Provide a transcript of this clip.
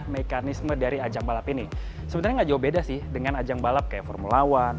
mekanisme dari ajang balap ini sebenarnya nggak jauh beda sih dengan ajang balap kayak formula one